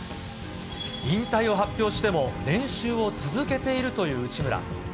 引退を発表しても、練習を続けているという内村。